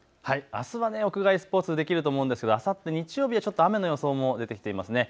あすは屋外スポーツ、できると思うんですがあさって日曜日、ちょっと雨の予想も出てきていますね。